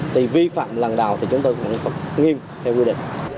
thì vi phạm lần đầu thì chúng tôi cũng nghiêm theo quy định